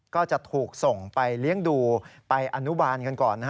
ก็จะถูกส่งไปเลี้ยงดูไปอนุบาลกันก่อน